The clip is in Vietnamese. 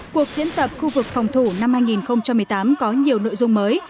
cuộc diễn tập khu vực phòng thủ năm hai nghìn một mươi tám có nhiều nội dung mới